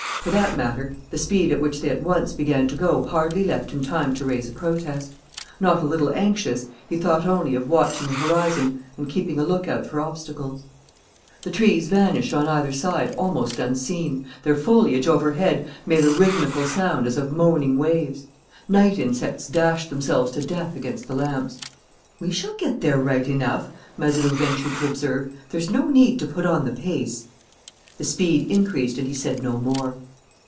For that matter the speed at which they at once began to go hardly left him time to raise a protest. Not a little anxious, he thought only of watching the horizon and keeping a lookout for obstacles. The trees vanished on either side almost unseen. Their foliage overhead made a rhythmical sound as of moaning waves. Night insects dashed themselves to death against the lamps. "We shall get there right enough," Mazeroux ventured to observe. "There's no need to put on the pace." The speed increased and he said no more.